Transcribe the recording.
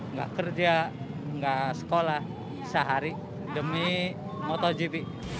nggak kerja nggak sekolah sehari demi motogp